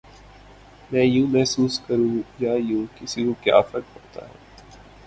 میں یوں محسوس کروں یا یوں، کسی کو کیا فرق پڑتا ہے؟